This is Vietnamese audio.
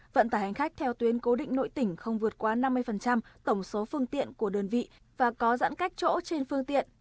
vận tải hành khách theo tuyến cố định nội tỉnh không vượt qua năm mươi tổng số phương tiện của đơn vị và có giãn cách chỗ trên phương tiện